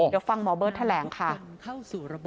เดี๋ยวฟังหมอเบิร์ตแถลงค่ะ